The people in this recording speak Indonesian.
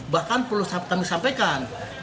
bahkan perlu kami sampaikan